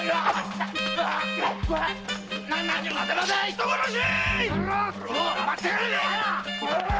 ・人殺し！